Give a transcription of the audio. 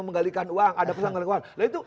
menggalikan uang ada yang menggalikan uang nah itu